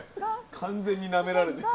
完全になめられてる。